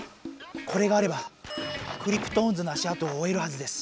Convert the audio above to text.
これがあればクリプトオンズの足あとをおえるはずです。